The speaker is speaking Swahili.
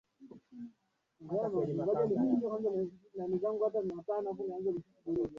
Maelezo haya yalitolewa kwa mujibu wa watu walikuwa wamekutwa katika ardhi ya Buha